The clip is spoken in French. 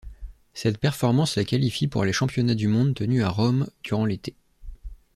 Cette performance la qualifie pour les Championnats du monde tenus à Rome durant l'été.